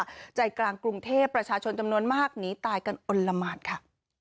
ใจกลางกรุงเทพประชาชนจำนวนมากหนีตายกันอลละหมานค่ะ